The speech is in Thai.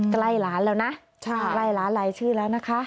ใกล้ร้านแล้วนะใกล้ร้านลายชื่อแล้วนะคะ